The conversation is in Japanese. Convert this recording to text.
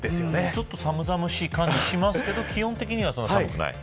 ちょっと寒々しい感じはしますけど、気温的にはそんなに寒くない。